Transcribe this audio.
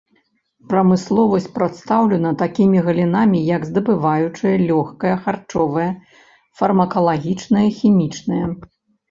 Прамысловасць прадстаўлена такімі галінамі, як здабываючая, лёгкая, харчовая, фармакалагічная, хімічная.